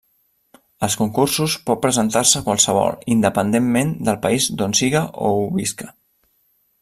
Als concursos pot presentar-se qualsevol independentment del país d'on siga o ho visca.